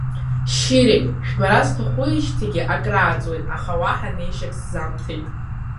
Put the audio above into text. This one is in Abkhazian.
Шьыри, шәбара сҭахуижьҭеигьы акрааҵуеит, аха уаҳа неишьак сзамҭеит!